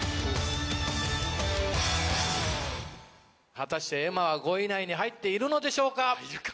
果たしてｅｍａは５位以内に入っているのでしょうか？